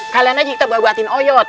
kalian aja kita bawa buatin oyot